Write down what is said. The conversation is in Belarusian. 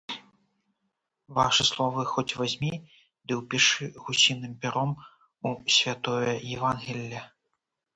Вашы словы хоць вазьмі ды ўпішы гусіным пяром у святое евангелле.